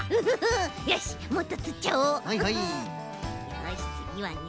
よしつぎはね。